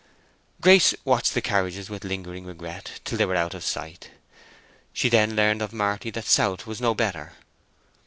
Grace watched the carriages with lingering regret till they were out of sight. She then learned of Marty that South was no better.